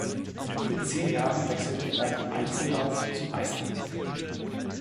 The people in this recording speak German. Mit zehn Jahren wechselte er vom Einzellauf zum Eistanz.